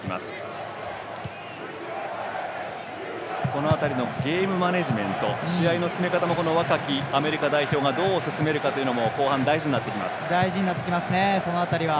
この辺りのゲームマネジメント試合の進め方も若きアメリカ代表がどう進めるかも後半、大事になってきます。